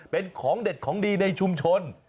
เป็นของเด็ดของดีในชุมชน